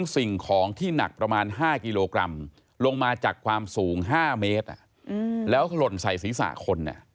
สูง๕เมตรแล้วหล่นใส่ศีรษะคน